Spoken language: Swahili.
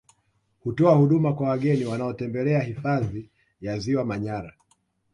Hutoa huduma kwa wageni wanaotembelea hifadhi ya Ziwa Manyara